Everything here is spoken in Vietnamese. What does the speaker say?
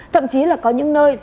thậm chí là có những nơi